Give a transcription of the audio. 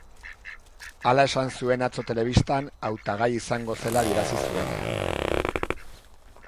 Hala esan zuen atzo telebistan, hautagai izango zela adierazi zuenean.